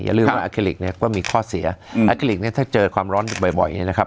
อย่าลืมว่าอาคิลิกเนี่ยก็มีข้อเสียอาคิลิกเนี่ยถ้าเจอความร้อนบ่อยนะครับ